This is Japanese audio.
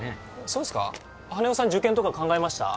そうですか羽男さん受験とか考えました？